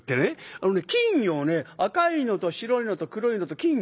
あのね金魚をね赤いのと白いのと黒いのと金魚をね